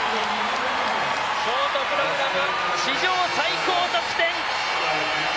ショートプログラム史上最高得点！